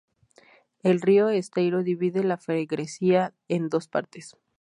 El Rio do Esteiro divide la freguesía en dos partes.